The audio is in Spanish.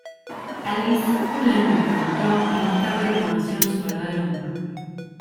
Alice Cullen lo encontró y más tarde reconocieron su verdadero amor.